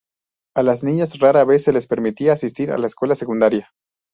A las niñas rara vez se les permitía asistir a la escuela secundaria.